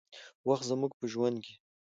وخت زموږ په ژوند کې